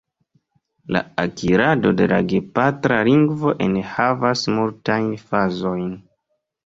La akirado de la gepatra lingvo enhavas multajn fazojn.